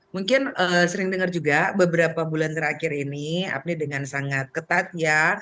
mungkin sering dengar juga beberapa bulan terakhir ini apni dengan sangat ketat ya